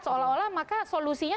seolah olah maka solusinya